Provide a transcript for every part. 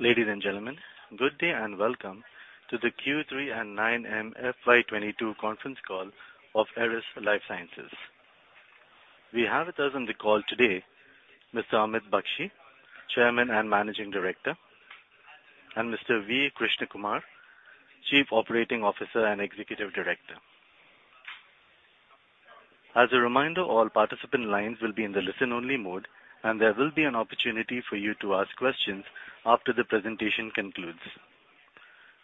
Ladies and gentlemen, good day and welcome to the Q3 and 9M FY 2022 Conference Call of Eris Lifesciences. We have with us on the call today Mr. Amit Bakshi, Chairman and Managing Director, and Mr. V. Krishnakumar, Chief Operating Officer and Executive Director. As a reminder, all participant lines will be in the listen-only mode, and there will be an opportunity for you to ask questions after the presentation concludes.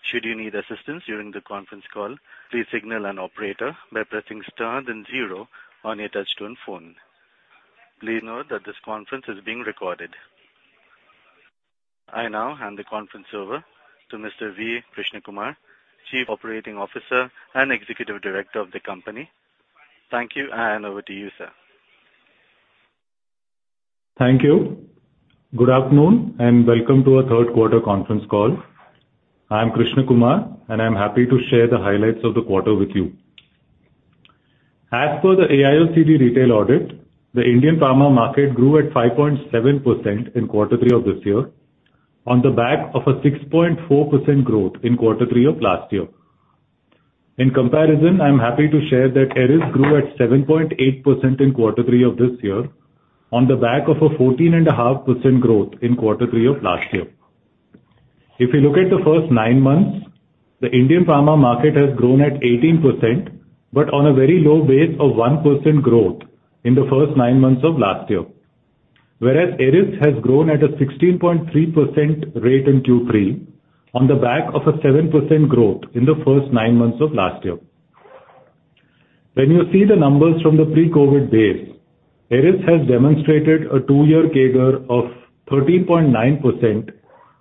Should you need assistance during the conference call, please signal an operator by pressing star then zero on your touch-tone phone. Please note that this conference is being recorded. I now hand the conference over to Mr. V. Krishnakumar, Chief Operating Officer and Executive Director of the company. Thank you, and over to you, sir. Thank you. Good afternoon, and welcome to our Third Quarter Conference Call. I'm Krishna Kumar, and I'm happy to share the highlights of the quarter with you. As per the AIOCD retail audit, the Indian pharma market grew at 5.7% in quarter three of this year on the back of a 6.4% growth in quarter three of last year. In comparison, I'm happy to share that Eris grew at 7.8% in quarter three of this year on the back of a 14.5% growth in quarter three of last year. If you look at the first nine months, the Indian pharma market has grown at 18%, but on a very low base of 1% growth in the first nine months of last year. Eris has grown at a 16.3% rate in Q3 on the back of a 7% growth in the first nine months of last year. When you see the numbers from the pre-COVID base, Eris has demonstrated a two-year CAGR of 13.9%,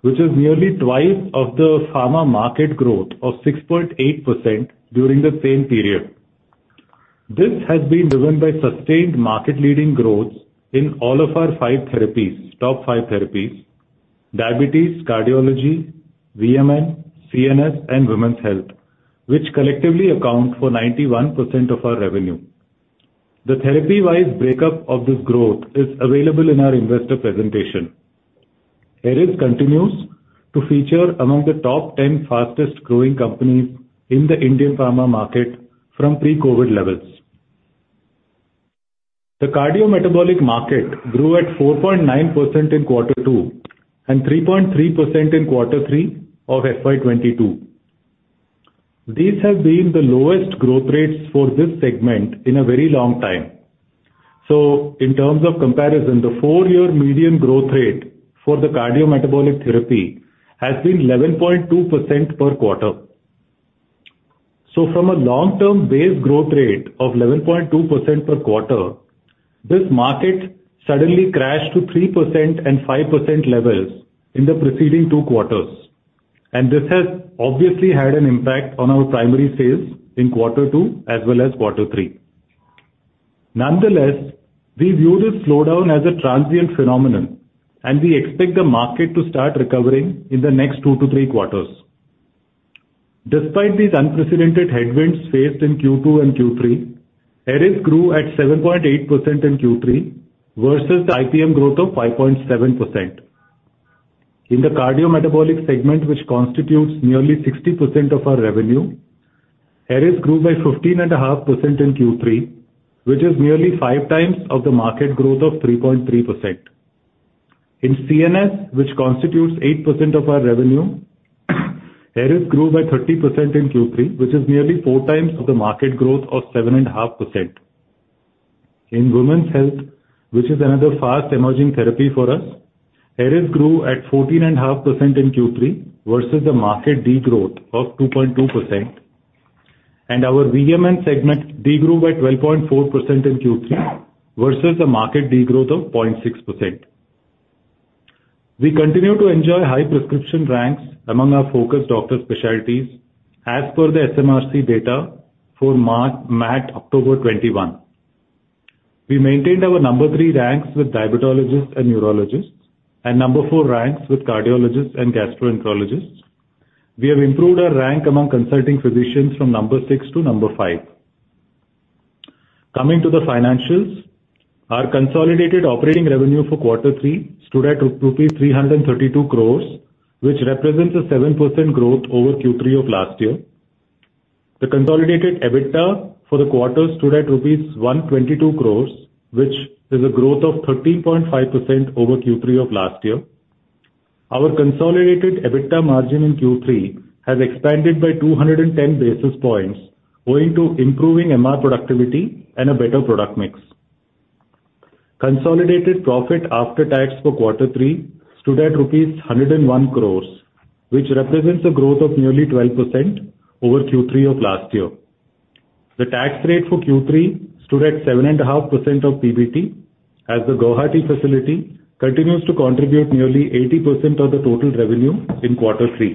which is nearly twice the pharma market growth of 6.8% during the same period. This has been driven by sustained market-leading growth in all of our five therapies, top five therapies, diabetes, cardiology, VMN, CNS, and women's health, which collectively account for 91% of our revenue. The therapy-wise breakup of this growth is available in our investor presentation. Eris continues to feature among the top 10 fastest-growing companies in the Indian pharma market from pre-COVID levels. The cardiometabolic market grew at 4.9% in quarter two and 3.3% in quarter three of FY 2022. These have been the lowest growth rates for this segment in a very long time. In terms of comparison, the four-year median growth rate for the cardiometabolic therapy has been 11.2% per quarter. From a long-term base growth rate of 11.2% per quarter, this market suddenly crashed to 3% and 5% levels in the preceding two quarters. This has obviously had an impact on our primary sales in quarter two as well as quarter three. Nonetheless, we view this slowdown as a transient phenomenon, and we expect the market to start recovering in the next two-three quarters. Despite these unprecedented headwinds faced in Q2 and Q3, Eris grew at 7.8% in Q3 versus the IPM growth of 5.7%. In the cardiometabolic segment, which constitutes nearly 60% of our revenue, Eris grew by 15.5% in Q3, which is nearly five times of the market growth of 3.3%. In CNS, which constitutes 8% of our revenue, Eris grew by 30% in Q3, which is nearly four times of the market growth of 7.5%. In women's health, which is another fast-emerging therapy for us, Eris grew at 14.5% in Q3 versus a market degrowth of 2.2%. Our VMN segment degrew by 12.4% in Q3 versus a market degrowth of 0.6%. We continue to enjoy high prescription ranks among our focused doctor specialties as per the SMSRC data for MAT October 2021. We maintained our number three ranks with diabetologists and neurologists and number four ranks with cardiologists and gastroenterologists. We have improved our rank among consulting physicians from number six to number five. Coming to the financials, our consolidated operating revenue for quarter three stood at rupees 332 crore, which represents a 7% growth over Q3 of last year. The consolidated EBITDA for the quarter stood at rupees 122 crore, which is a growth of 13.5% over Q3 of last year. Our consolidated EBITDA margin in Q3 has expanded by 210 basis points owing to improving MR productivity and a better product mix. Consolidated profit after tax for quarter three stood at rupees 101 crores, which represents a growth of nearly 12% over Q3 of last year. The tax rate for Q3 stood at 7.5% of PBT as the Guwahati facility continues to contribute nearly 80% of the total revenue in quarter three.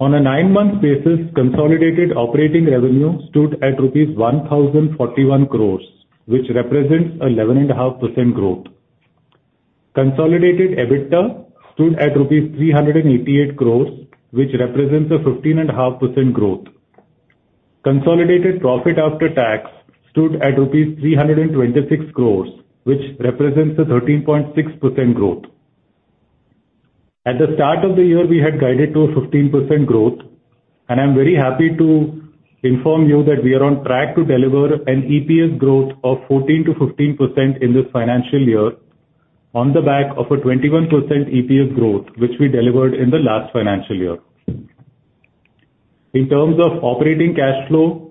On a nine-month basis, consolidated operating revenue stood at rupees 1,041 crores, which represents 11.5% growth. Consolidated EBITDA stood at rupees 388 crores, which represents a 15.5% growth. Consolidated profit after tax stood at rupees 326 crores, which represents a 13.6% growth. At the start of the year, we had guided to a 15% growth, and I'm very happy to inform you that we are on track to deliver an EPS growth of 14%-15% in this financial year on the back of a 21% EPS growth, which we delivered in the last financial year. In terms of operating cash flow,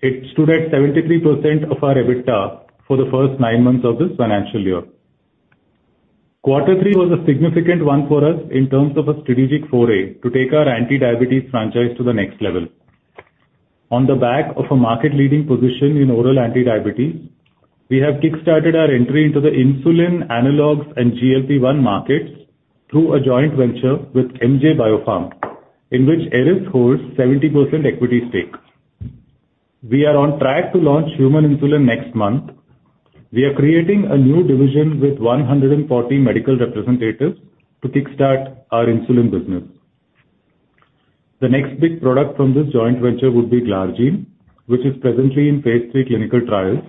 it stood at 73% of our EBITDA for the first nine months of this financial year. Quarter three was a significant one for us in terms of a strategic foray to take our anti-diabetes franchise to the next level. On the back of a market leading position in oral anti-diabetes, we have kick-started our entry into the insulin analogues and GLP-1 markets through a joint venture with MJ Biopharm, in which Eris holds 70% equity stake. We are on track to launch human insulin next month. We are creating a new division with 140 medical representatives to kick-start our insulin business. The next big product from this joint venture would be Glargine, which is presently in phase III clinical trials.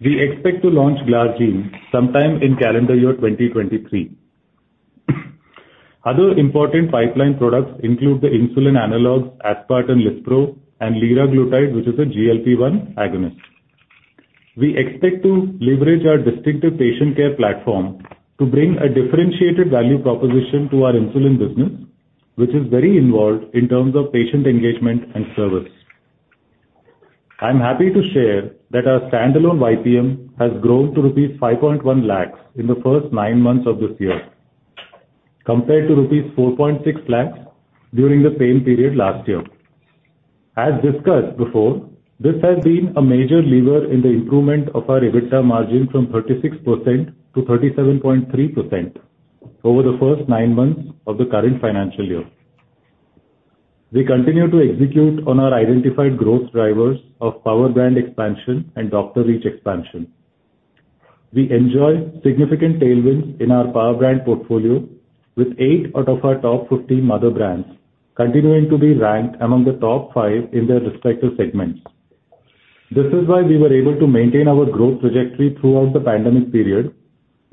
We expect to launch Glargine sometime in calendar year 2023. Other important pipeline products include the insulin analogues, aspart and lispro, and liraglutide, which is a GLP-1 agonist. We expect to leverage our distinctive patient care platform to bring a differentiated value proposition to our insulin business, which is very involved in terms of patient engagement and service. I'm happy to share that our standalone YPM has grown to 5.1 lakhs rupees in the first nine months of this year, compared to 4.6 lakhs rupees during the same period last year. As discussed before, this has been a major lever in the improvement of our EBITDA margin from 36% to 37.3% over the first nine months of the current financial year. We continue to execute on our identified growth drivers of power brand expansion and doctor reach expansion. We enjoy significant tailwinds in our power brand portfolio with eight out of our top 15 mother brands continuing to be ranked among the top five in their respective segments. This is why we were able to maintain our growth trajectory throughout the pandemic period,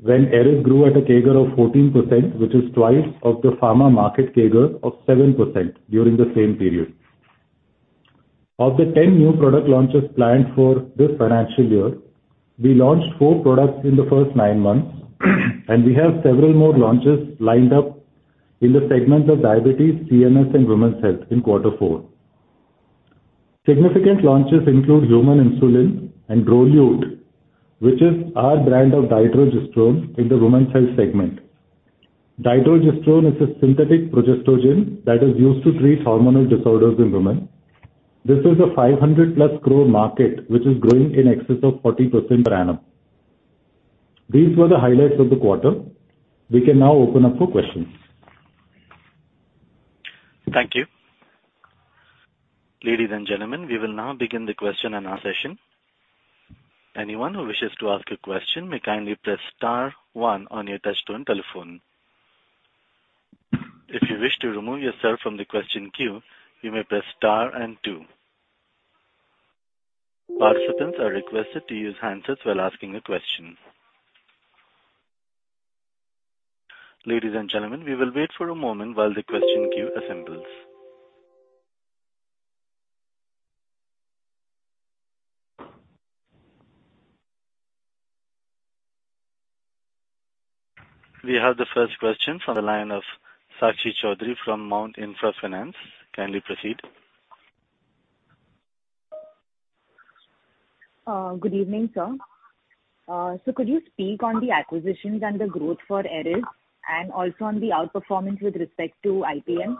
when Eris grew at a CAGR of 14%, which is twice of the pharma market CAGR of 7% during the same period. Of the 10 new product launches planned for this financial year, we launched four products in the first nine months, and we have several more launches lined up in the segments of diabetes, CNS, and women's health in quarter four. Significant launches include human insulin and Drolute, which is our brand of dydrogesterone in the women's health segment. Dydrogesterone is a synthetic progestogen that is used to treat hormonal disorders in women. This is a 500+ crore market, which is growing in excess of 40% per annum. These were the highlights of the quarter. We can now open up for questions. Thank you. Ladies and gentlemen, we will now begin the question and answer session. Anyone who wishes to ask a question may kindly press star one on your touch-tone telephone. If you wish to remove yourself from the question queue, you may press star and two. Participants are requested to use handsets while asking a question. Ladies and gentlemen, we will wait for a moment while the question queue assembles. We have the first question from the line of Sakshi Chaudhary from Mount Infra Finance. Kindly proceed. Good evening, sir. Could you speak on the acquisitions and the growth for Eris, and also on the outperformance with respect to IPM?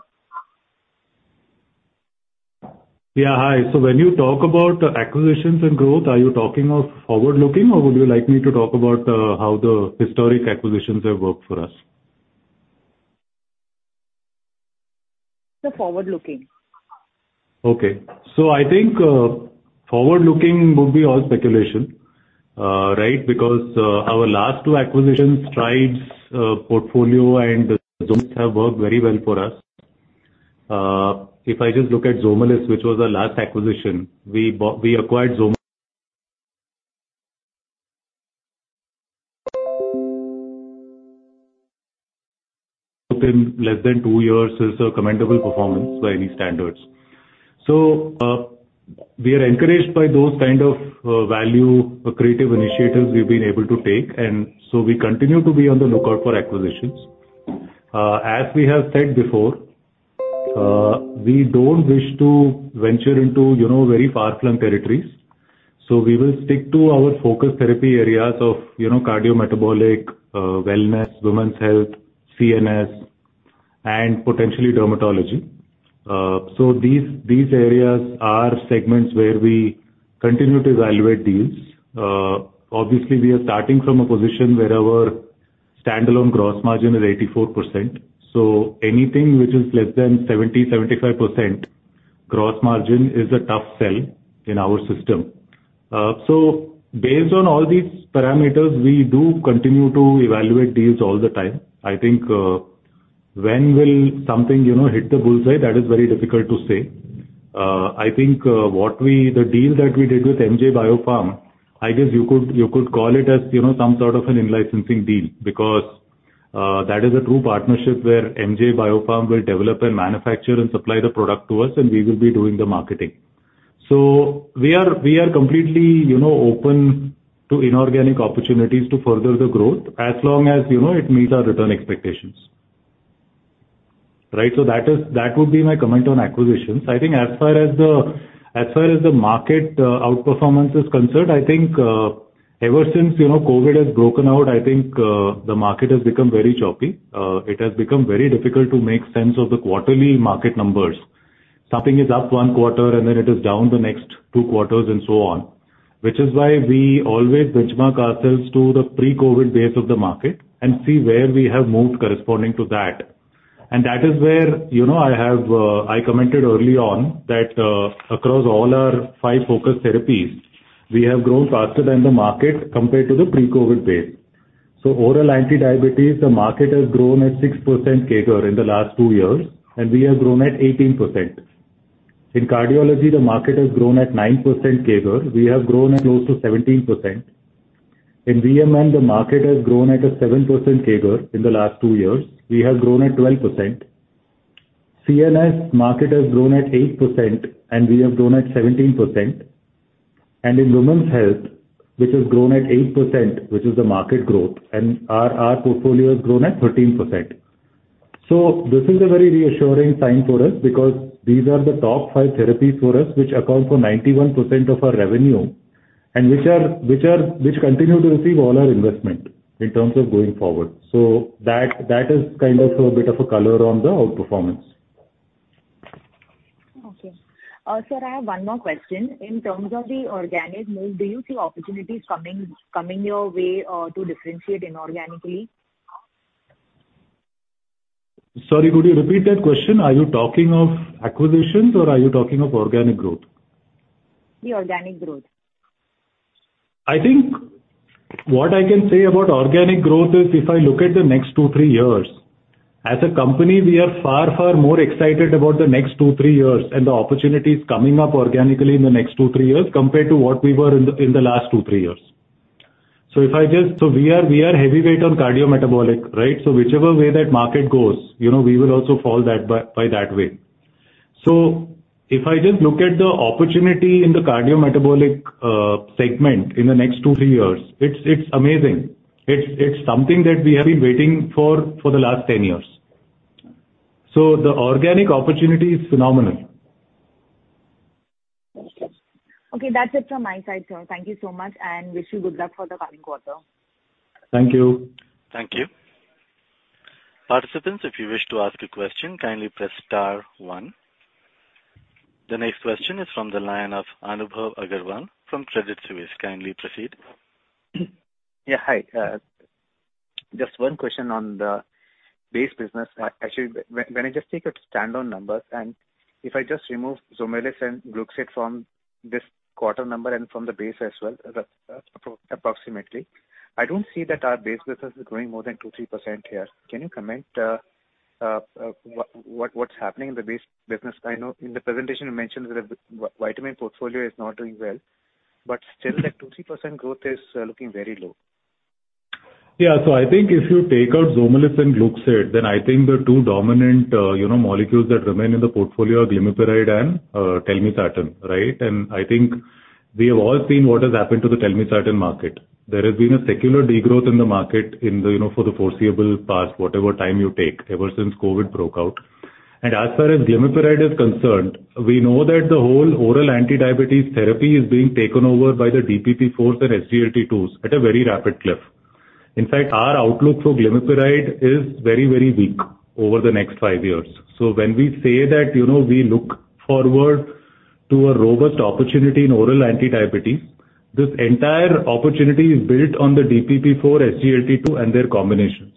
Yeah, hi. When you talk about acquisitions and growth, are you talking of forward-looking, or would you like me to talk about how the historic acquisitions have worked for us? The forward-looking. Okay. I think forward-looking would be all speculation, right? Because our last two acquisitions, Strides portfolio and Zomelis have worked very well for us. If I just look at Zomelis, which was our last acquisition, we acquired Zomelis in less than two years is a commendable performance by any standards. We are encouraged by those kind of value accretive initiatives we've been able to take, and we continue to be on the lookout for acquisitions. As we have said before, we don't wish to venture into, you know, very far-flung territories. We will stick to our focus therapy areas of, you know, cardiometabolic, wellness, women's health, CNS, and potentially dermatology. These areas are segments where we continue to evaluate deals. Obviously, we are starting from a position where our standalone gross margin is 84%, so anything which is less than 70%-75% gross margin is a tough sell in our system. Based on all these parameters, we do continue to evaluate deals all the time. I think, when will something, you know, hit the bull's-eye? That is very difficult to say. I think, the deal that we did with MJ Biopharm, I guess you could call it as, you know, some sort of an in-licensing deal because, that is a true partnership where MJ Biopharm will develop and manufacture and supply the product to us, and we will be doing the marketing. We are completely, you know, open to inorganic opportunities to further the growth as long as, you know, it meets our return expectations. Right. That would be my comment on acquisitions. I think as far as the market outperformance is concerned, I think, ever since, you know, COVID has broken out, I think, the market has become very choppy. It has become very difficult to make sense of the quarterly market numbers. Something is up one quarter and then it is down the next two quarters and so on, which is why we always benchmark ourselves to the pre-COVID base of the market and see where we have moved corresponding to that. That is where, you know, I have commented early on that, across all our five focus therapies, we have grown faster than the market compared to the pre-COVID base. Oral anti-diabetes, the market has grown at 6% CAGR in the last two years, and we have grown at 18%. In cardiology, the market has grown at 9% CAGR. We have grown at close to 17%. In VMN, the market has grown at a 7% CAGR in the last two years. We have grown at 12%. CNS market has grown at 8%, and we have grown at 17%. In women's health, which has grown at 8%, which is the market growth, and our portfolio has grown at 13%. This is a very reassuring sign for us because these are the top five therapies for us, which account for 91% of our revenue and which continue to receive all our investment in terms of going forward. That is kind of a bit of a color on the outperformance. Okay. Sir, I have one more question. In terms of the organic move, do you see opportunities coming your way to differentiate in-organically? Sorry, could you repeat that question? Are you talking of acquisitions or are you talking of organic growth? The organic growth. I think what I can say about organic growth is if I look at the next two-three years, as a company, we are far, far more excited about the next two-three years and the opportunities coming up organically in the next two-three years compared to what we were in the last two-three years. We are heavyweight on cardiometabolic, right? Whichever way that market goes, you know, we will also follow that by that way. If I just look at the opportunity in the cardiometabolic segment in the next two-three years, it's amazing. It's something that we have been waiting for the last 10 years. The organic opportunity is phenomenal. Okay. That's it from my side, sir. Thank you so much, and wish you good luck for the coming quarter. Thank you. Thank you. Participants, if you wish to ask a question, kindly press star one. The next question is from the line of Anubhav Agarwal from Credit Suisse. Kindly proceed. Yeah, hi. Just one question on the base business. Actually, when I just take a stab at the numbers, and if I just remove Zomelis and Gluxit from this quarter number and from the base as well, approximately, I don't see that our base business is growing more than 2%-3% here. Can you comment, what's happening in the base business? I know in the presentation you mentioned that the vitamin portfolio is not doing well, but still that 2%-3% growth is looking very low. Yeah. I think if you take out Zomelis and Gluxit, then I think the two dominant molecules that remain in the portfolio are glimepiride and telmisartan, right? I think we have all seen what has happened to the telmisartan market. There has been a secular degrowth in the market in the for the foreseeable past, whatever time you take, ever since COVID broke out. As far as glimepiride is concerned, we know that the whole oral anti-diabetic therapy is being taken over by the DPP4s and SGLT2s at a very rapid clip. In fact, our outlook for glimepiride is very, very weak over the next five years. When we say that we look forward to a robust opportunity in oral anti-diabetic, this entire opportunity is built on the DPP4, SGLT2 and their combinations.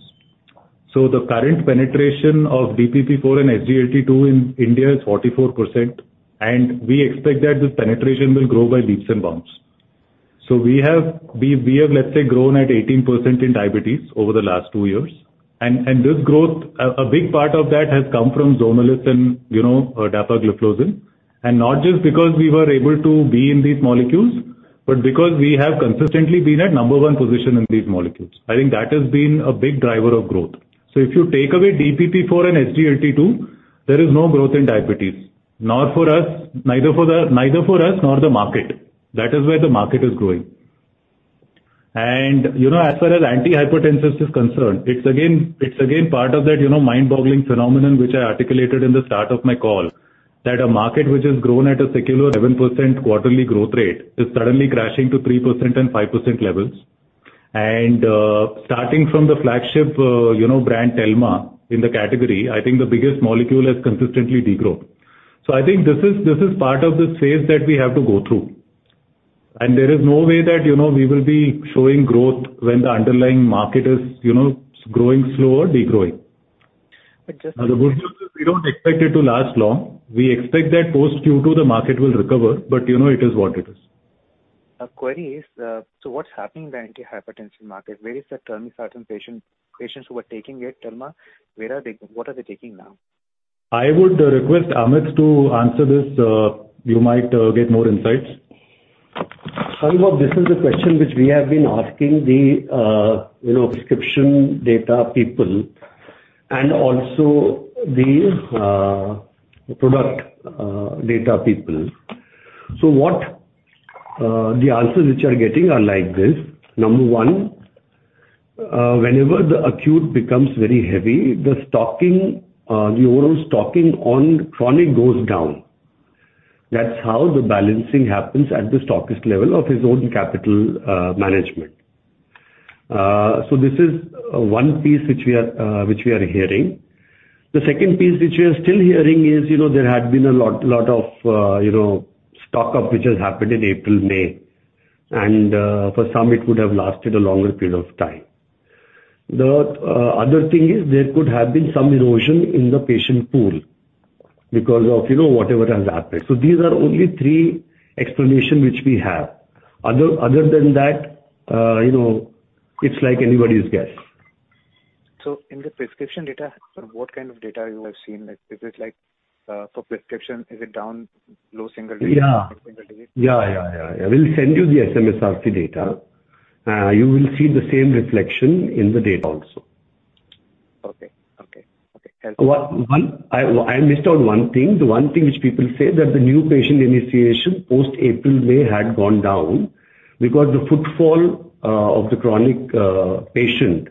The current penetration of DPP4 and SGLT2 in India is 44%, and we expect that this penetration will grow by leaps and bounds. We have, let's say, grown at 18% in diabetes over the last two years. This growth, a big part of that has come from Zomelis and, you know, dapagliflozin. Not just because we were able to be in these molecules, but because we have consistently been at number one position in these molecules. I think that has been a big driver of growth. If you take away DPP4 and SGLT2, there is no growth in diabetes, not for us, neither for us nor the market. That is where the market is growing. You know, as far as anti-hypertensives is concerned, it's again part of that, you know, mind-boggling phenomenon which I articulated in the start of my call, that a market which has grown at a secular 11% quarterly growth rate is suddenly crashing to 3% and 5% levels. Starting from the flagship, you know, brand Eritel in the category, I think the biggest molecule has consistently de-growed. I think this is part of the phase that we have to go through. There is no way that, you know, we will be showing growth when the underlying market is, you know, growing slow or de-growing. But just- The good news is we don't expect it to last long. We expect that post-Q2, the market will recover, but, you know, it is what it is. Our query is, what's happening in the anti-hypertension market? Where are the Eritel current patients who are taking it? Where are they? What are they taking now? I would request Amit to answer this. You might get more insights. Anubhav, this is a question which we have been asking the, you know, prescription data people and also the product data people. What the answers which are getting are like this: number one, whenever the acute becomes very heavy, the overall stocking on chronic goes down. That's how the balancing happens at the stockist level of his own capital management. This is one piece which we are hearing. The second piece which we are still hearing is, you know, there had been a lot of, you know, stock-up which has happened in April, May, and for some it would have lasted a longer period of time. The other thing is there could have been some erosion in the patient pool because of, you know, whatever has happened. These are only three explanation which we have. Other than that, you know, it's like anybody's guess. In the prescription data, so what kind of data you have seen? Like, is it like, for prescription, is it down low single digit? Yeah. We'll send you the SMSRC data. You will see the same reflection in the data also. Okay. Helpful. I missed out one thing. The one thing which people say that the new patient initiation post April, May had gone down because the footfall of the chronic patient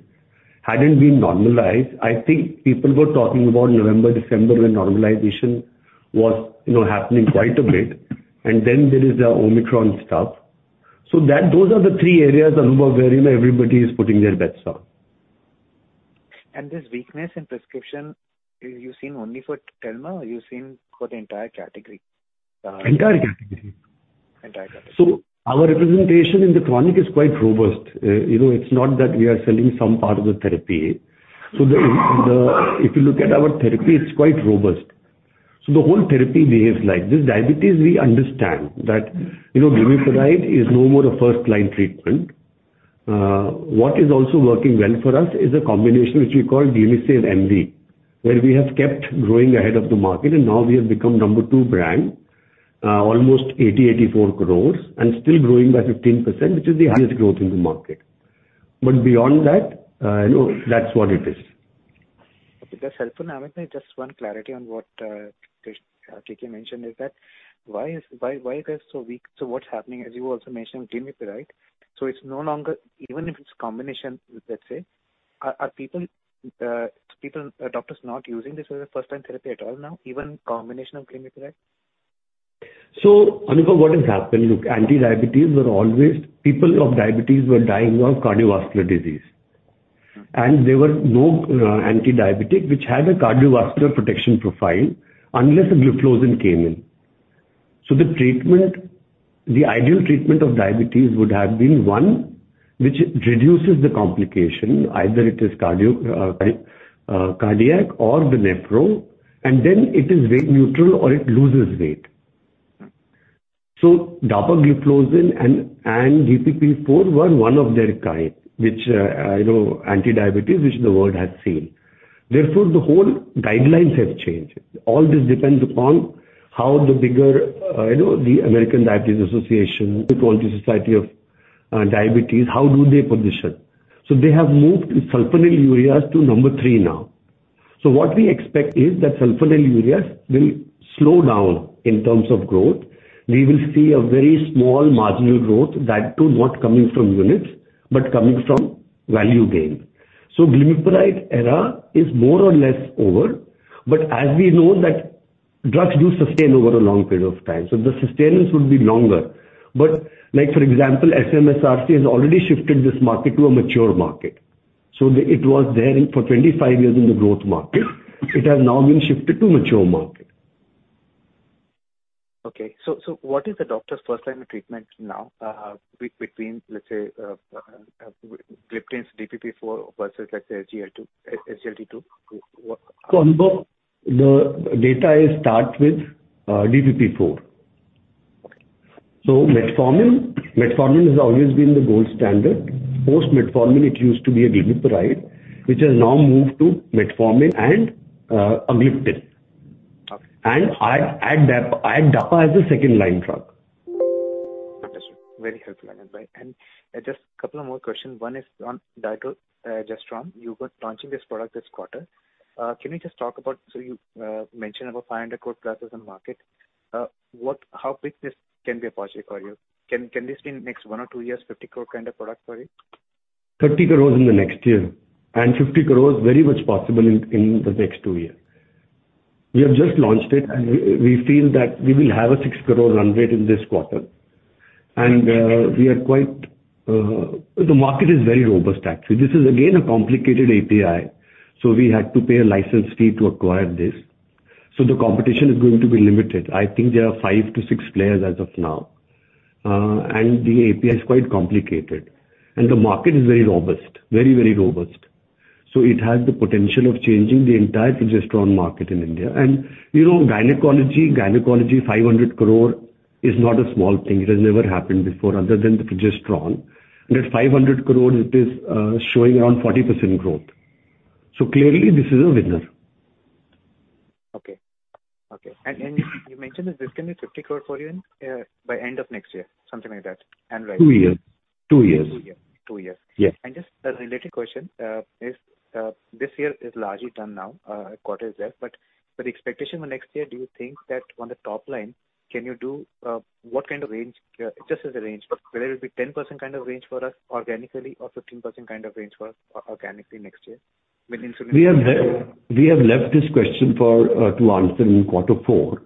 hadn't been normalized. I think people were talking about November, December when normalization was, you know, happening quite a bit. Then there is the Omicron stuff. Those are the three areas, Anubhav, wherein everybody is putting their bets on. This weakness in prescription, have you seen only for Eritel, or you've seen for the entire category? Entire category. Entire category. Our representation in the chronic is quite robust. You know, it's not that we are selling some part of the therapy. If you look at our therapy, it's quite robust. The whole therapy behaves like this. In diabetes we understand that, you know, glimepiride is no more a first-line treatment. What is also working well for us is a combination which we call Glimisave MV, where we have kept growing ahead of the market and now we have become number two brand, almost 84 crores and still growing by 15%, which is the highest growth in the market. Beyond that, you know, that's what it is. Okay. That's helpful. Now, Amit, just one clarity on what Krishna- KK mentioned is that, why is it so weak? What's happening, as you also mentioned, glimepiride. It's no longer even if it's combination, let's say, are people doctors not using this as a first-line therapy at all now, even combination of glimepiride? Anubhav, what has happened? Look, anti-diabetic were always. People with diabetes were dying of cardiovascular disease. There were no anti-diabetic which had a cardiovascular protection profile unless the gliflozin came in. The treatment, the ideal treatment of diabetes would have been one which reduces the complication, either it is cardio, cardiac or the nephro, and then it is weight neutral or it loses weight. Dapagliflozin and DPP-4 were one of their kind, which you know, anti-diabetes, which the world has seen. Therefore, the whole guidelines have changed. All this depends upon how the bigger you know, the American Diabetes Association, the Quality Society of Diabetes, how do they position. They have moved sulfonylureas to number three now. What we expect is that sulfonylureas will slow down in terms of growth. We will see a very small marginal growth, that too not coming from units, but coming from value gain. Glimepiride era is more or less over. As we know that drugs do sustain over a long period of time, so the sustenance would be longer. Like for example, SMSRC has already shifted this market to a mature market. It was there for 25 years in the growth market. It has now been shifted to mature market. Okay. What is the doctor's first line of treatment now, between, let's say, gliptins DPP-4 versus, let's say, SGLT2? Anubhav, the data starts with DPP-4. Okay. Metformin has always been the gold standard. Post-metformin, it used to be a glimepiride, which has now moved to metformin and a gliptin. Okay. I add Dapa as a second-line drug. Understood. Very helpful, Anubhav. Just couple of more question. One is on Drolute. You were launching this product this quarter. Can you just talk about. So you mentioned about 500 crore plus as a market. What, how big this can be a project for you? Can this be next one or two years, 50 crore kind of product for you? 30 crore in the next year, and 50 crore very much possible in the next two years. We have just launched it, and we feel that we will have a 6 crore run rate in this quarter. We are quite. The market is very robust actually. This is again a complicated API, so we had to pay a license fee to acquire this. The competition is going to be limited. I think there are five-six players as of now. The API is quite complicated. The market is very robust, very, very robust. It has the potential of changing the entire progesterone market in India. You know, gynecology 500 crore is not a small thing. It has never happened before other than the progesterone. At 500 crore, it is showing around 40% growth. Clearly this is a winner. Okay. You mentioned that this can be 50 crore for you by end of next year, something like that. Annualized. Two years. Two years. Yes. Just a related question, this year is largely done now, quarter is there, but for the expectation for next year, do you think that on the top line, can you do what kind of range? Just as a range, but will it be 10% kind of range for us organically or 15% kind of range for us organically next year with insulin- We have left this question for to answer in quarter four.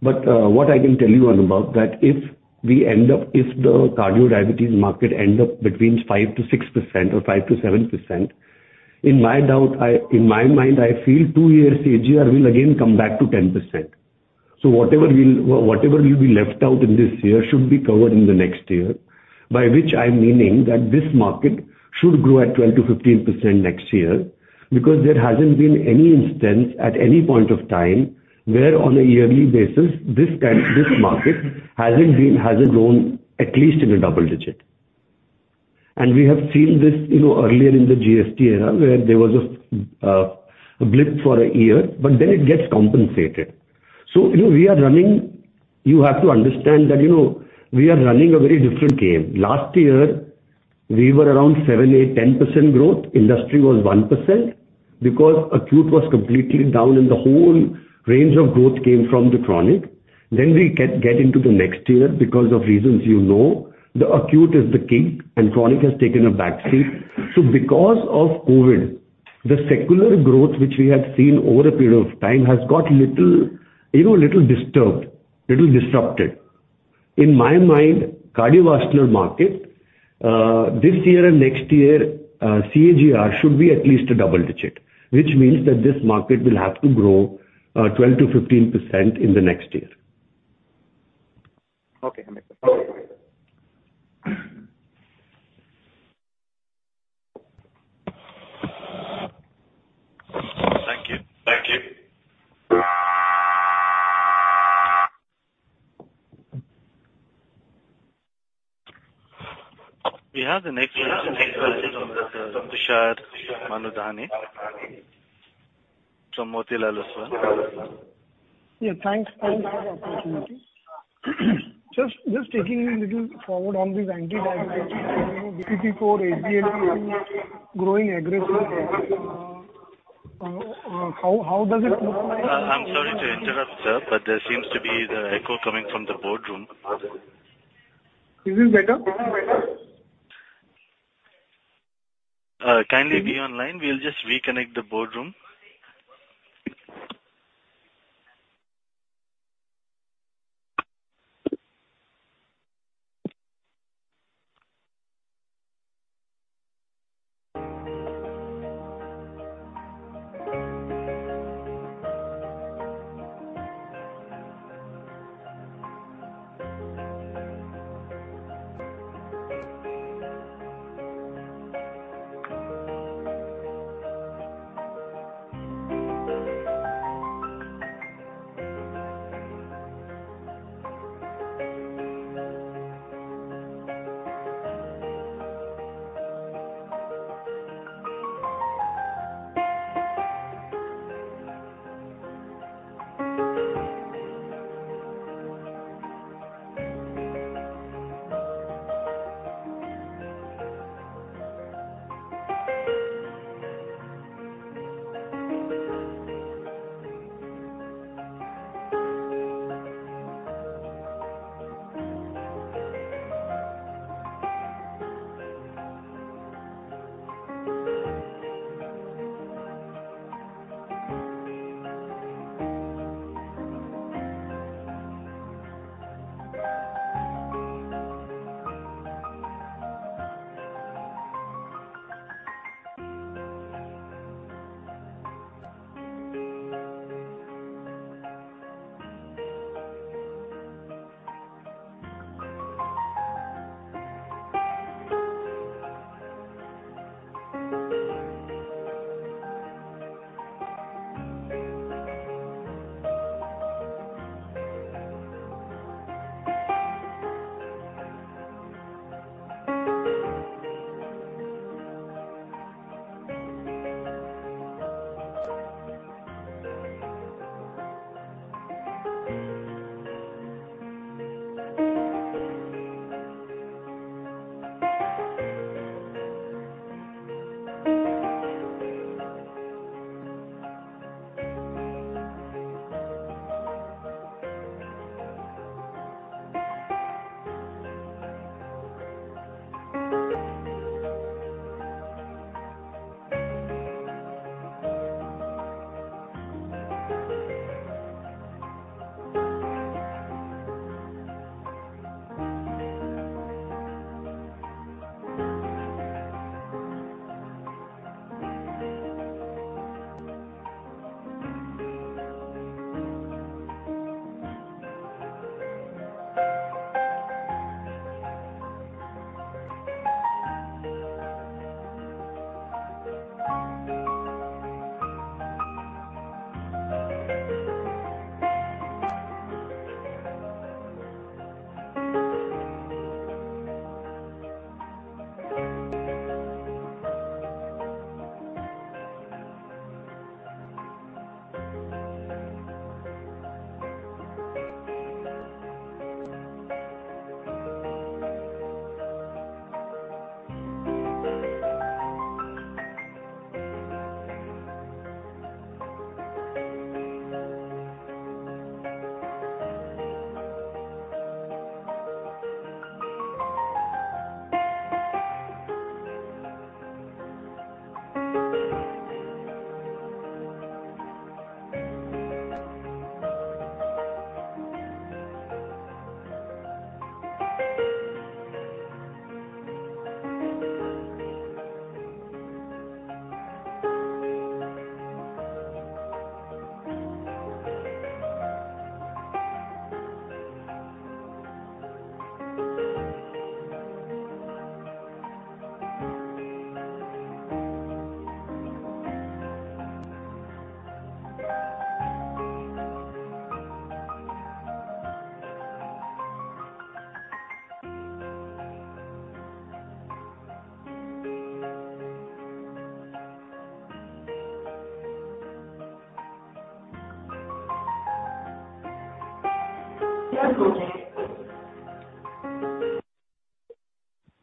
What I can tell you, Anubhav, that if the cardio diabetes market ends up between 5%-6% or 5%-7%, in my mind, I feel two-year CAGR will again come back to 10%. Whatever will be left out in this year should be covered in the next year, by which I'm meaning that this market should grow at 12%-15% next year because there hasn't been any instance at any point of time where on a yearly basis this market hasn't grown at least in double digits. We have seen this, you know, earlier in the GST era where there was a blip for a year, but then it gets compensated. You know, we are running a very different game. You have to understand that, you know, we are running a very different game. Last year we were around seven, eight, 10% growth. Industry was 1% because acute was completely down and the whole range of growth came from the chronic. We get into the next year because of reasons you know, the acute is the king and chronic has taken a back seat. Because of COVID, the secular growth which we had seen over a period of time has got little, you know, little disturbed, little disrupted. In my mind, cardiovascular market this year and next year CAGR should be at least a double digit, which means that this market will have to grow 12%-15% in the next year. Okay. I'm clear. Okay. Thank you. Thank you. We have the next question from Tushar Manudhane from Motilal Oswal. Yeah, thanks for the opportunity. Just taking a little forward on this anti-diabetes, you know, DPP-4, SGLT2 growing aggressively. How does it look like? I'm sorry to interrupt, sir, but there seems to be the echo coming from the boardroom. Is this better? Uh, kindly be online. We'll just reconnect the boardroom.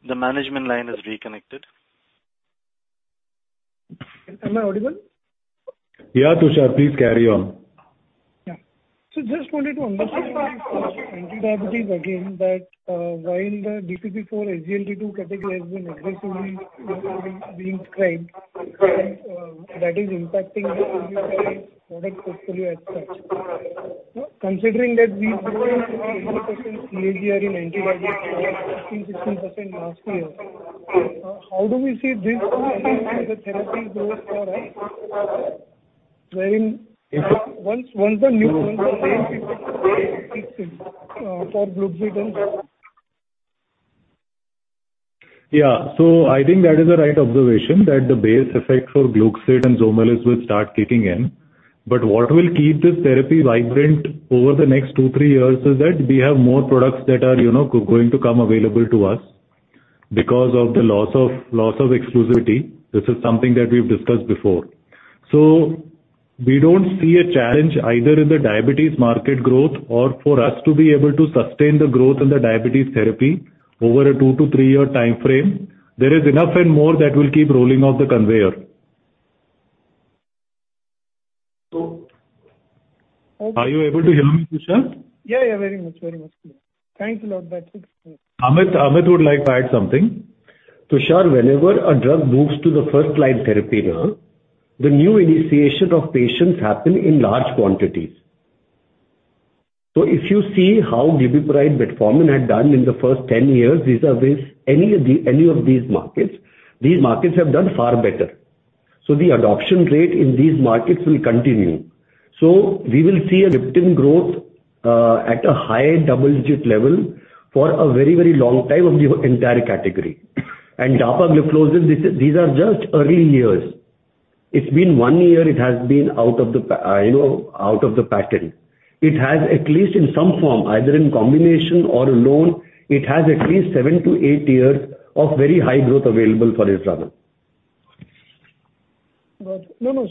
The management line is reconnected. Am I audible? Yeah, Tushar, please carry on. Just wanted to understand anti-diabetes again, that while the DPP-4 SGLT2 category has been aggressively being prescribed, that is impacting the product portfolio as such. Considering that we 18% CAGR in anti-diabetes, 15%-16% last year, how do we see this impacting the therapy growth for us? Wherein once the new for Gluxit? Yeah. I think that is the right observation, that the base effect for Glimisave and Zomelis will start kicking in. What will keep this therapy vibrant over the next two, three years is that we have more products that are, you know, going to come available to us because of the loss of exclusivity. This is something that we've discussed before. We don't see a challenge either in the diabetes market growth or for us to be able to sustain the growth in the diabetes therapy over a two- to three-year timeframe. There is enough and more that will keep rolling off the conveyor. So- Are you able to hear me, Tushar? Yeah, yeah. Very much. Very much clear. Thanks a lot, Krishna Kumar. Amit would like to add something. Tushar, whenever a drug moves to the first-line therapy now, the new initiation of patients happen in large quantities. If you see how glimepiride metformin had done in the first 10 years, any of these markets have done far better. The adoption rate in these markets will continue. We will see a lifting growth at a high double-digit level for a very, very long time of the entire category. Dapagliflozin, these are just early years. It's been one year, it has been out of the patent, you know. It has at least in some form, either in combination or alone, it has at least seven-eight years of very high growth available for this product. Got you. No, no.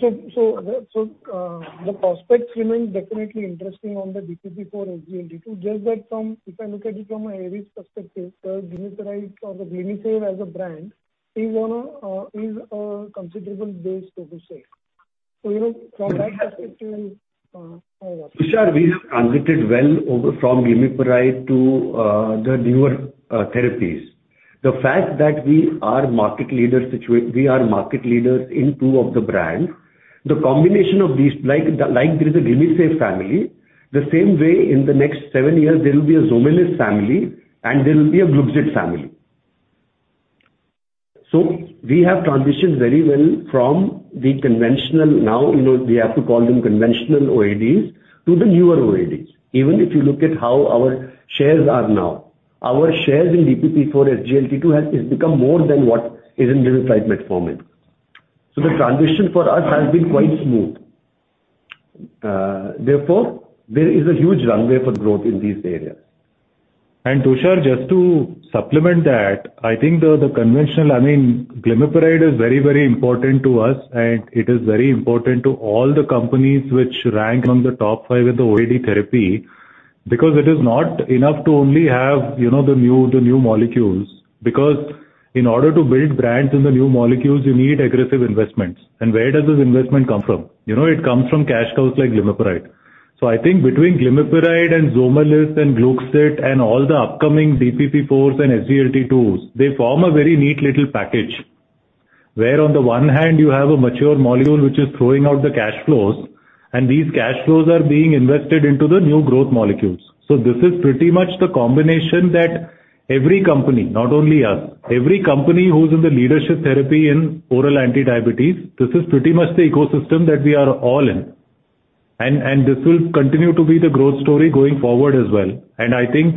The prospects remain definitely interesting on the DPP4 SGLT2. Just that, if I look at it from an Eris perspective, the glimepiride or the Glimisave as a brand is on a considerable base to Glucotrol. You know, from that perspective. Tushar, we have transited well over from glimepiride to the newer therapies. The fact that we are market leaders in two of the brand, the combination of these, like there is a Glimisave family, the same way in the next seven years there will be a Zomelis family and there will be a Gluxit family. We have transitioned very well from the conventional, now, you know, we have to call them conventional OADs to the newer OADs. Even if you look at how our shares are now, our shares in DPP-4 SGLT2 has become more than what is in glimepiride metformin. The transition for us has been quite smooth. Therefore, there is a huge runway for growth in these areas. Tushar, just to supplement that, I think the conventional, I mean, glimepiride is very, very important to us, and it is very important to all the companies which rank on the top five with the OAD therapy, because it is not enough to only have, you know, the new molecules. Because in order to build brands in the new molecules, you need aggressive investments. Where does this investment come from? You know, it comes from cash cows like glimepiride. I think between glimepiride and Zomelis and Gluxit and all the upcoming DPP-4s and SGLT2s, they form a very neat little package. Where on the one hand you have a mature molecule which is throwing out the cash flows, and these cash flows are being invested into the new growth molecules. This is pretty much the combination that every company, not only us, every company who's in the leadership therapy in oral anti-diabetic, this is pretty much the ecosystem that we are all in. This will continue to be the growth story going forward as well. I think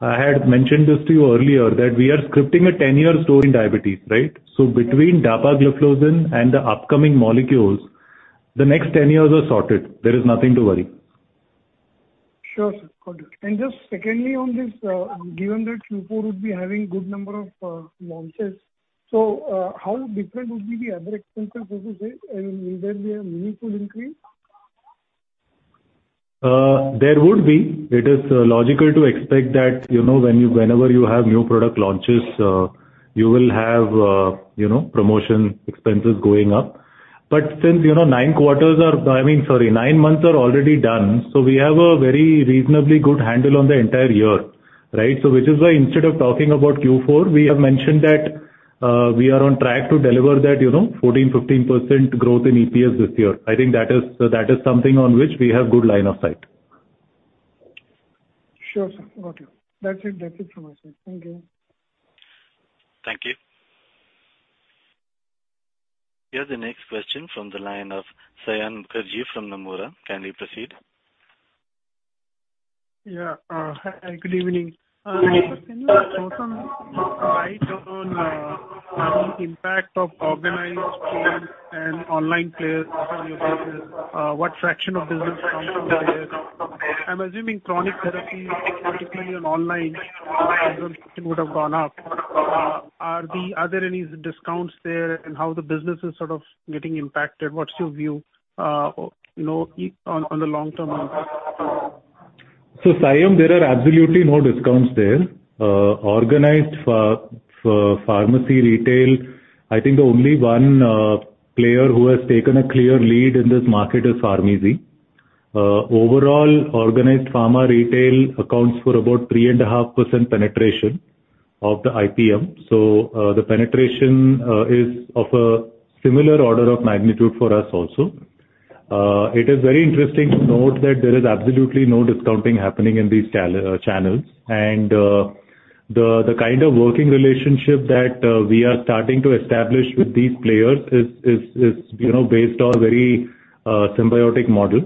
I had mentioned this to you earlier that we are scripting a 10-year story in diabetes, right? Between dapagliflozin and the upcoming molecules, the next 10 years are sorted. There is nothing to worry. Sure, sir. Got it. Just secondly on this, given that Q4 would be having good number of launches, so how different would be the ad expenses, would you say? Will there be a meaningful increase? There would be. It is logical to expect that, you know, whenever you have new product launches, you will have, you know, promotion expenses going up. Since, you know, nine months are already done, so we have a very reasonably good handle on the entire year, right? Which is why instead of talking about Q4, we have mentioned that we are on track to deliver that, you know, 14%-15% growth in EPS this year. I think that is something on which we have good line of sight. Sure, sir. Got you. That's it from my side. Thank you. Thank you. We have the next question from the line of Saion Mukherjee from Nomura. Can we proceed? Yeah. Hi, good evening. Good evening. Can you throw some light on, I mean, impact of organized players and online players on your business? What fraction of business comes from there? I'm assuming chronic therapy, particularly on online would have gone up. Are there any discounts there and how the business is sort of getting impacted? What's your view, you know, on the long term impact? Saion, there are absolutely no discounts there. Organized pharmacy retail, I think the only one player who has taken a clear lead in this market is PharmEasy. Overall, organized pharma retail accounts for about 3.5% penetration of the IPM. The penetration is of a similar order of magnitude for us also. It is very interesting to note that there is absolutely no discounting happening in these channels. The kind of working relationship that we are starting to establish with these players is, you know, based on very symbiotic model,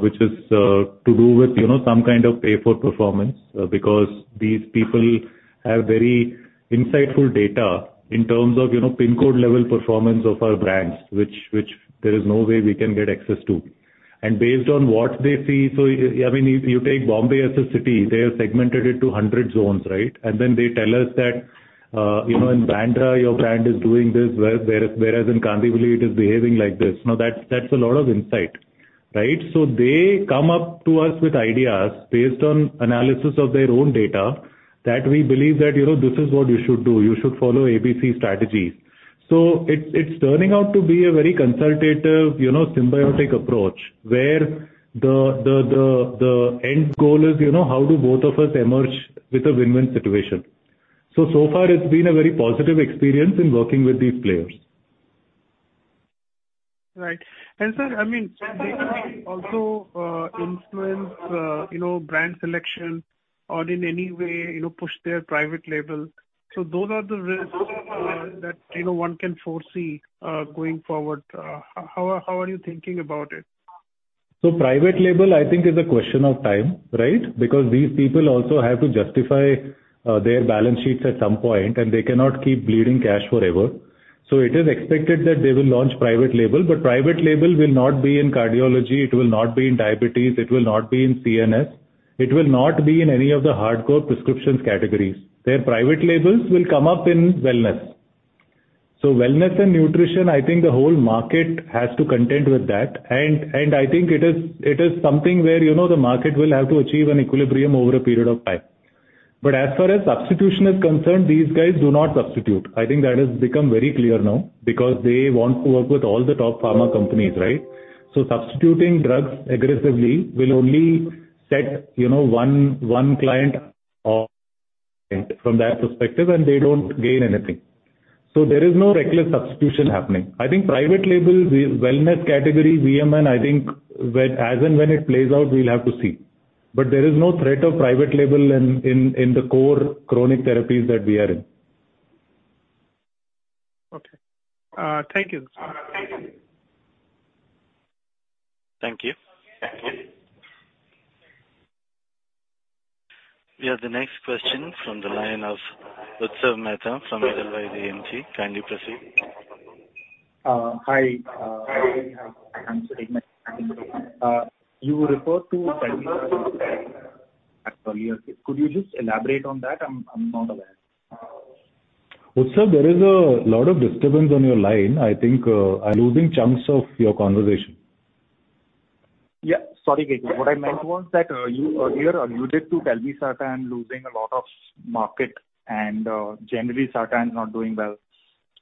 which is, you know, to do with some kind of pay for performance. Because these people have very insightful data in terms of, you know, PIN code level performance of our brands, which there is no way we can get access to. Based on what they see, I mean, you take Bombay as a city, they have segmented it to 100 zones, right? They tell us that, you know, in Bandra, your brand is doing this, whereas in Kandivali, it is behaving like this. Now, that's a lot of insight, right? They come up to us with ideas based on analysis of their own data, that we believe that, you know, this is what you should do. You should follow ABC strategies. It's turning out to be a very consultative, you know, symbiotic approach, where the end goal is, you know, how do both of us emerge with a win-win situation. So far it's been a very positive experience in working with these players. Right. Sir, I mean, they can also influence, you know, brand selection or in any way, you know, push their private label. Those are the risks that, you know, one can foresee going forward. How are you thinking about it? Private label, I think is a question of time, right? Because these people also have to justify their balance sheets at some point, and they cannot keep bleeding cash forever. It is expected that they will launch private label, but private label will not be in cardiology, it will not be in diabetes, it will not be in CNS. It will not be in any of the hardcore prescriptions categories. Their private labels will come up in wellness. Wellness and nutrition, I think the whole market has to contend with that. I think it is something where, you know, the market will have to achieve an equilibrium over a period of time. As far as substitution is concerned, these guys do not substitute. I think that has become very clear now because they want to work with all the top pharma companies, right? Substituting drugs aggressively will only set, you know, one client off from that perspective, and they don't gain anything. There is no reckless substitution happening. I think private label, the wellness category, VMN, I think, when as and when it plays out, we'll have to see. There is no threat of private label in the core chronic therapies that we are in. Okay. Thank you. Thank you. We have the next question from the line of Utsav Mehta from Edelweiss AMC. Can you proceed? Hi. I'm Utsav Mehta. You referred to telmisartan. Could you just elaborate on that? I'm not aware. Utsav, there is a lot of disturbance on your line. I think, I'm losing chunks of your conversation. Yeah. Sorry, KK. What I meant was that, you earlier alluded to telmisartan losing a lot of market and, generally sartans not doing well.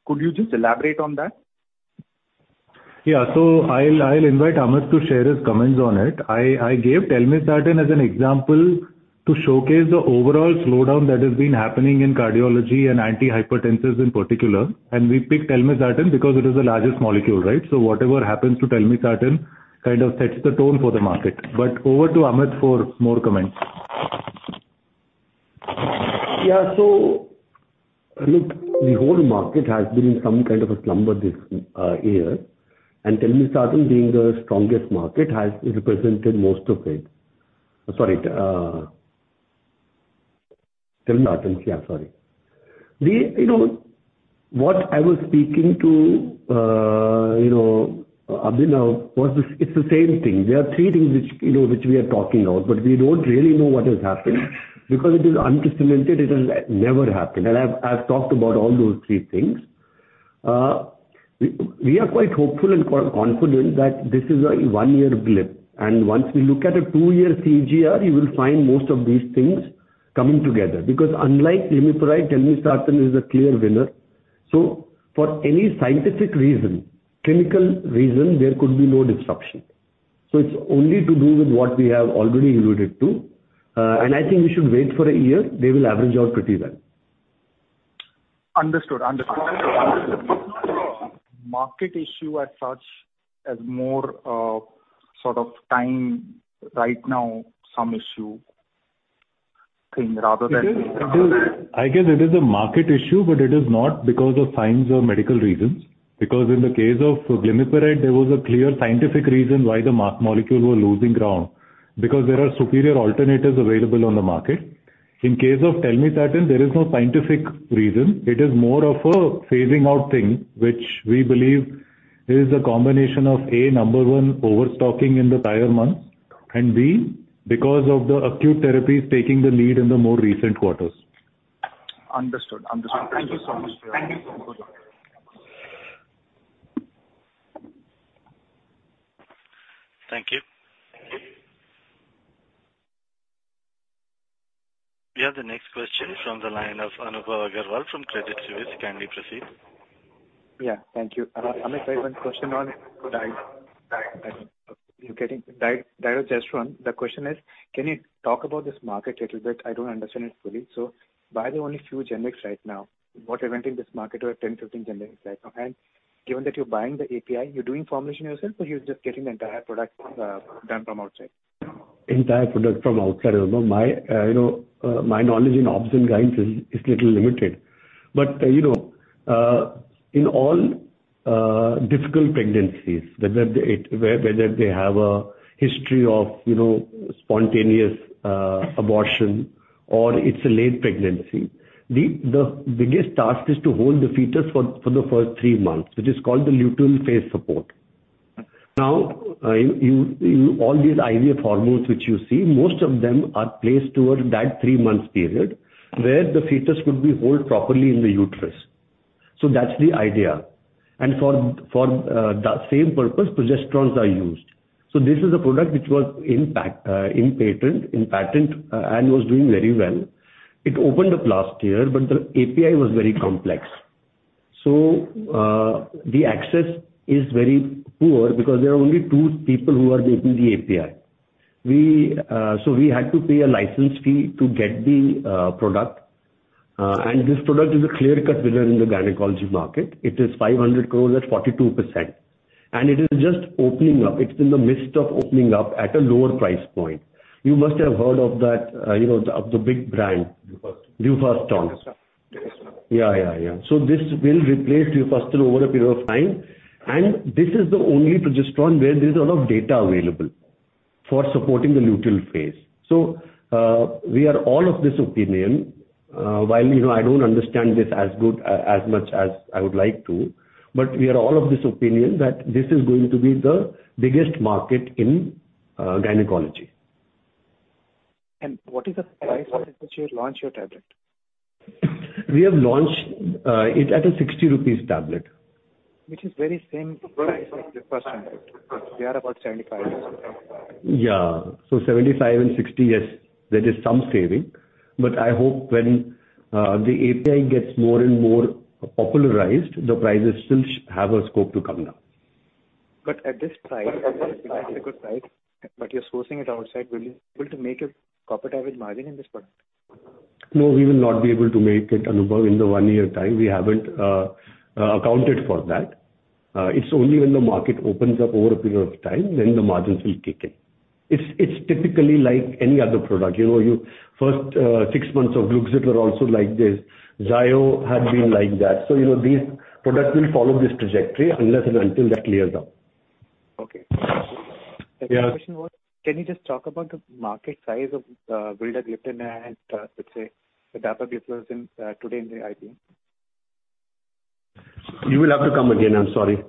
Could you just elaborate on that? Yeah. I'll invite Amit to share his comments on it. I gave telmisartan as an example to showcase the overall slowdown that has been happening in cardiology and antihypertensives in particular. We picked telmisartan because it is the largest molecule, right? Whatever happens to telmisartan kind of sets the tone for the market. Over to Amit for more comments. Yeah. Look, the whole market has been in some kind of a slumber this year, and telmisartan being the strongest market has represented most of it. Sorry. Telmisartan. Yeah, sorry. You know, what I was speaking to, you know, Anubhav, was this. It's the same thing. There are three things which, you know, we are talking about, but we don't really know what has happened. It is unprecedented. It'll never happen, and I've talked about all those three things. We are quite hopeful and confident that this is a one-year blip, and once we look at a two-year CAGR, you will find most of these things coming together because unlike glimepiride, telmisartan is a clear winner. For any scientific reason, clinical reason, there could be no disruption. It's only to do with what we have already alluded to. I think we should wait for a year. They will average out pretty well. Understood. Market issue as such has more, sort of time right now some issue thing rather than. I guess it is a market issue, but it is not because of science or medical reasons, because in the case of glimepiride there was a clear scientific reason why the mature molecule was losing ground, because there are superior alternatives available on the market. In case of telmisartan, there is no scientific reason. It is more of a phasing out thing, which we believe is a combination of, A, number one, overstocking in the prior months, and B, because of the acute therapies taking the lead in the more recent quarters. Understood. Thank you so much. Thank you. We have the next question from the line of Anubhav Aggarwal from Credit Suisse. Kindly proceed. Yeah. Thank you. Amit, I have one question on dydro. The question is, can you talk about this market a little bit? I don't understand it fully. Why are there only a few generics right now? What is it in this market with 10, 15 generics right now? And given that you're buying the API, you're doing formulation yourself or you're just getting the entire product done from outside? Entire product from outside. You know, my knowledge in obs and gynes is little limited. You know, in all difficult pregnancies, whether they have a history of you know, spontaneous abortion or it's a late pregnancy, the biggest task is to hold the fetus for the first three months, which is called the luteal phase support. Now, all these IVF hormones which you see, most of them are placed towards that three-month period where the fetus could be held properly in the uterus. That's the idea. For that same purpose, progesterones are used. This is a product which was in patent and was doing very well. It opened up last year, but the API was very complex. The access is very poor because there are only two players who are making the API. We had to pay a license fee to get the product. This product is a clear-cut winner in the gynecology market. It is 500 crore at 42%. It is just opening up. It's in the midst of opening up at a lower price point. You must have heard of that, you know, of the big brand. Duphaston. Duphaston. Yes. Yeah, yeah. This will replace Duphaston over a period of time, and this is the only progesterone where there's a lot of data available for supporting the luteal phase. We are all of this opinion, while you know I don't understand this as much as I would like to, but we are all of this opinion that this is going to be the biggest market in gynecology. What is the price at which you launch your tablet? We have launched it at a 60 rupees tablet. Which is very same price like Duphaston. They are about 75. 75 and 60, yes, there is some saving, but I hope when the API gets more and more popularized, the prices still have a scope to come down. At this price, it's a good price, but you're sourcing it outside. Will you be able to make a proper average margin in this product? No, we will not be able to make it, Anubhav, in the one-year time. We haven't accounted for that. It's only when the market opens up over a period of time, then the margins will kick in. It's typically like any other product. You know, the first six months of Gluxit are also like this. Zomelis had been like that. You know, these products will follow this trajectory unless and until that clears up. Okay. Yeah. Second question was, can you just talk about the market size of vildagliptin and let's say dapagliflozin today in the IPM? You will have to come again. I'm sorry.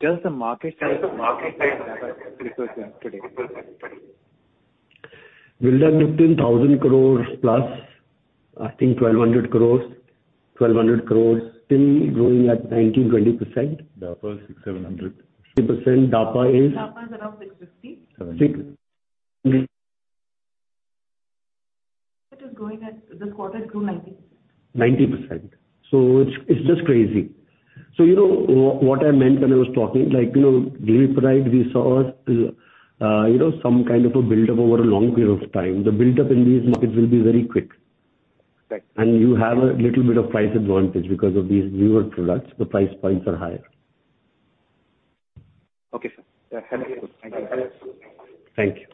Tell us the market size of vildagliptin today? vildagliptin, 1,000 crore+. I think 1,200 crore. 1,200 crore, still growing at 19%-20%. Dapa, 6, 700. % Dapa is? Dapa is around 650. Seven. It is growing at, this quarter it grew 90%. 90%. It's just crazy. You know, what I meant when I was talking, like, you know, glimepiride we saw some kind of a build-up over a long period of time. The build-up in these markets will be very quick. Right. You have a little bit of price advantage. Because of these newer products, the price points are higher. Okay, sir. Have a good. Thank you. Thank you.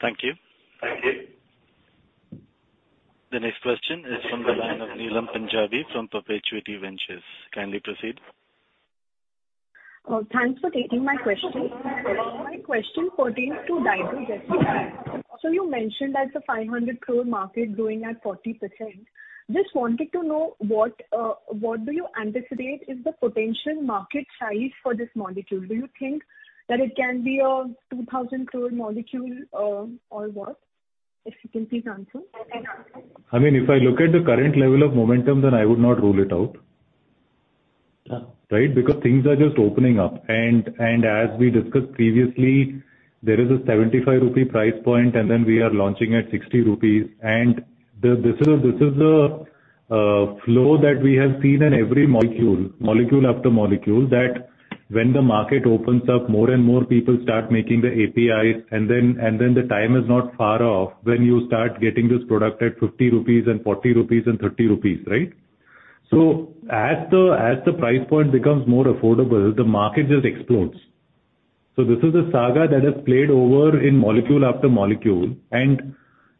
Thank you. Thank you. The next question is from the line of Neelam Punjabi from Perpetuity Ventures. Kindly proceed. Thanks for taking my question. My question pertains to Dydro, Jesse. You mentioned that the 500 crore market growing at 40%. Just wanted to know what do you anticipate is the potential market size for this molecule? Do you think that it can be a 2,000 crore molecule, or what? If you can please answer. I mean, if I look at the current level of momentum, then I would not rule it out. Yeah. Right? Because things are just opening up. As we discussed previously, there is a 75 rupee price point, and then we are launching at 60 rupees. This is a flow that we have seen in every molecule after molecule, that when the market opens up, more and more people start making the APIs and then the time is not far off when you start getting this product at 50 rupees and 40 rupees and 30 rupees, right? As the price point becomes more affordable, the market just explodes. This is a saga that has played over in molecule after molecule and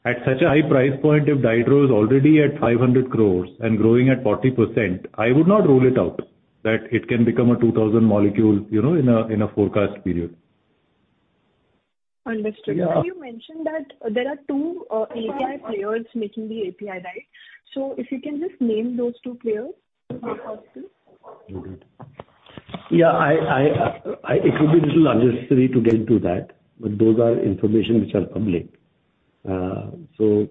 at such a high price point, if Dydro is already at 500 crore and growing at 40%, I would not rule it out that it can become a 2,000 molecule, you know, in a forecast period. Understood. Yeah. You mentioned that there are two API players making the API, right? If you can just name those two players, if possible. It would be a little unnecessary to get into that, but those are information which are public. So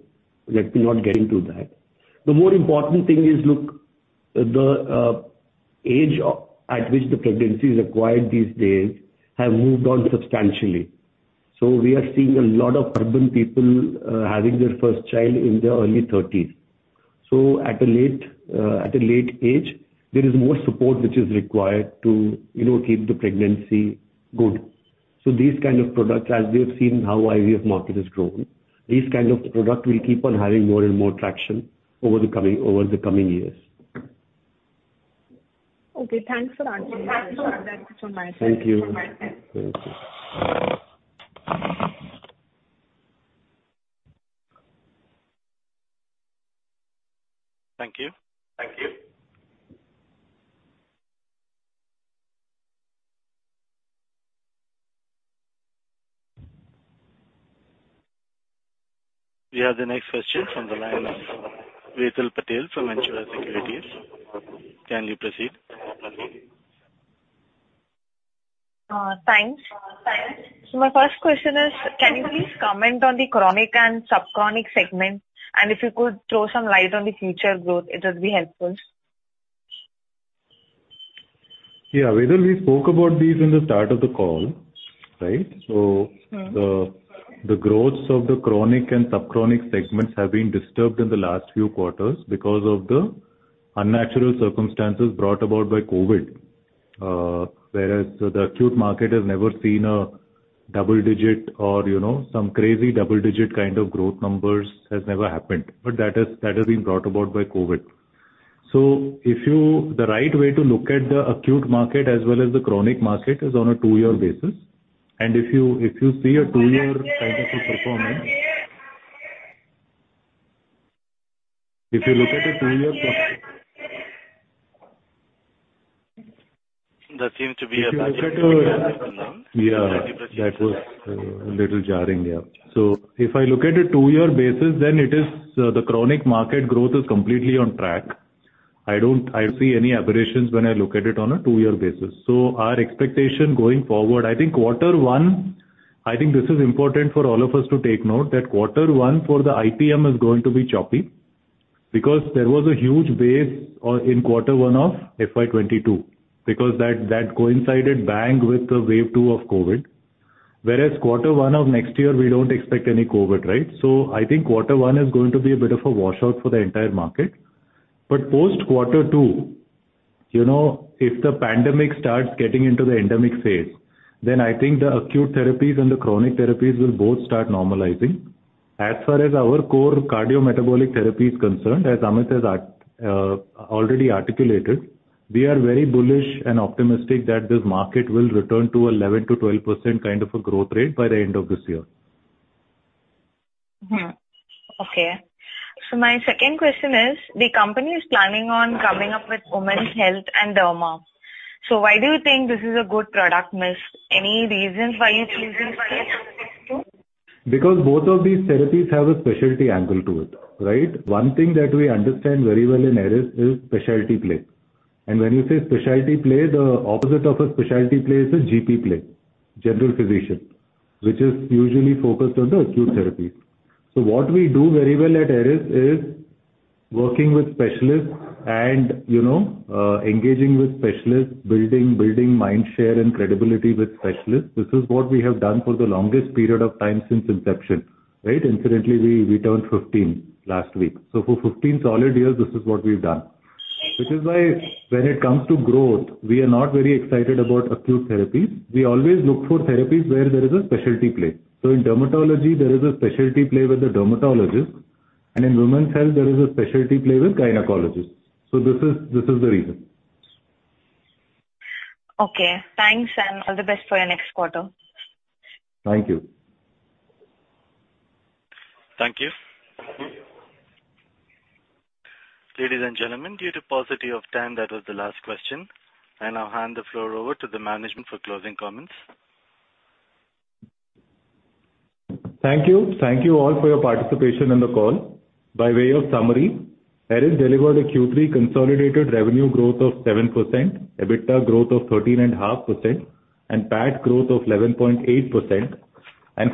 let me not get into that. The more important thing is, the age at which the pregnancy is acquired these days have moved on substantially. We are seeing a lot of urban people having their first child in their early thirties. At a late age, there is more support which is required to, you know, keep the pregnancy good. These kind of products, as we have seen how IVF market has grown, these kind of product will keep on having more and more traction over the coming years. Okay. Thanks for answering. That's all my side. Thank you. Thank you. Thank you. Thank you. We have the next question from the line of Vidal Patel from Ventura Securities. Can you proceed? Thanks. My first question is, can you please comment on the chronic and subchronic segment? If you could throw some light on the future growth, it would be helpful. Yeah, Vidal, we spoke about these in the start of the call, right? Mm-hmm. The growth of the chronic and sub-chronic segments have been disturbed in the last few quarters because of the unnatural circumstances brought about by COVID. Whereas the acute market has never seen a double digit or, you know, some crazy double digit kind of growth numbers has never happened. That has been brought about by COVID. The right way to look at the acute market as well as the chronic market is on a two-year basis. If you see a two-year kind of a performance. If you look at a two-year There seems to be a- Yeah, that was a little jarring, yeah. If I look at a two-year basis, then it is, the chronic market growth is completely on track. I don't see any aberrations when I look at it on a two-year basis. Our expectation going forward, I think quarter one, I think this is important for all of us to take note that quarter one for the IPM is going to be choppy because there was a huge base in quarter one of FY 2022 because that coincided bang with the wave two of COVID. Whereas quarter one of next year we don't expect any COVID, right? I think quarter one is going to be a bit of a washout for the entire market. Post quarter two, you know, if the pandemic starts getting into the endemic phase, then I think the acute therapies and the chronic therapies will both start normalizing. As far as our core cardiometabolic therapy is concerned, as Amit has already articulated, we are very bullish and optimistic that this market will return to 11%-12% kind of a growth rate by the end of this year. My second question is, the company is planning on coming up with women's health and derma. Why do you think this is a good product mix? Any reasons why you're choosing these two? Because both of these therapies have a specialty angle to it, right? One thing that we understand very well in Eris is specialty play. When you say specialty play, the opposite of a specialty play is a GP play, general physician, which is usually focused on the acute therapies. What we do very well at Eris is working with specialists and, you know, engaging with specialists, building mind share and credibility with specialists. This is what we have done for the longest period of time since inception, right? Incidentally, we turned 15 last week. For 15 solid years this is what we've done. Which is why when it comes to growth, we are not very excited about acute therapies. We always look for therapies where there is a specialty play. In dermatology there is a specialty play with the dermatologist, and in women's health there is a specialty play with gynecologist. This is the reason. Okay, thanks, and all the best for your next quarter. Thank you. Thank you. Ladies and gentlemen, due to paucity of time, that was the last question. I now hand the floor over to the management for closing comments. Thank you. Thank you all for your participation in the call. By way of summary, Eris delivered a Q3 consolidated revenue growth of 7%, EBITDA growth of 13.5%, and PAT growth of 11.8%.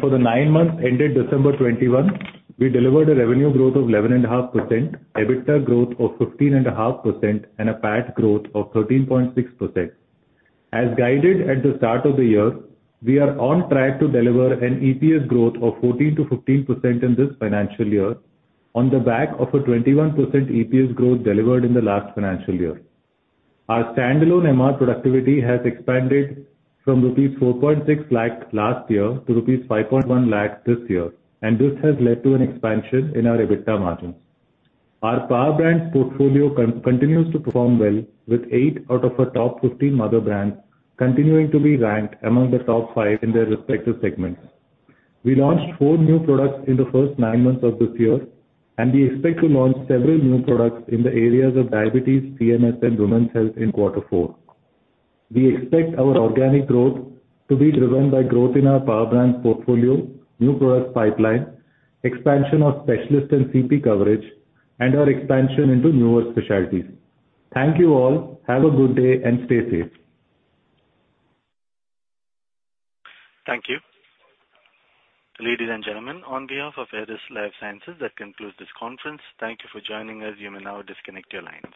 For the nine months ended December 2021, we delivered a revenue growth of 11.5%, EBITDA growth of 15.5%, and a PAT growth of 13.6%. As guided at the start of the year, we are on track to deliver an EPS growth of 14%-15% in this financial year on the back of a 21% EPS growth delivered in the last financial year. Our standalone MR productivity has expanded from rupees 4.6 lakh last year to rupees 5.1 lakh this year, and this has led to an expansion in our EBITDA margins. Our power brands portfolio continues to perform well with eight out of our top 15 mother brands continuing to be ranked among the top five in their respective segments. We launched four new products in the first nine months of this year, and we expect to launch several new products in the areas of diabetes, CNS, and women's health in quarter four. We expect our organic growth to be driven by growth in our power brands portfolio, new products pipeline, expansion of specialist and CP coverage, and our expansion into newer specialties. Thank you all. Have a good day and stay safe. Thank you. Ladies and gentlemen, on behalf of Eris Lifesciences, that concludes this conference. Thank you for joining us. You may now disconnect your lines.